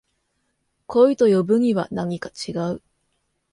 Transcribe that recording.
恋と呼ぶにはなにか違う